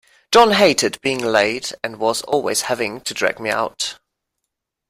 John hated being late, and was always having to drag me out.